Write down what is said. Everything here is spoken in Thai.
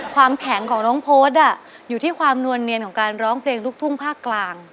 ความแข็งของน้องโพสต์อยู่ที่ความนวลเนียนของการร้องเพลงลูกทุ่งภาคกลาง